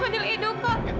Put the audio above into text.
pak del edo kak